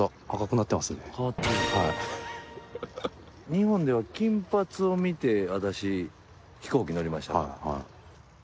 日本では金髪を見て私、飛行機乗りました。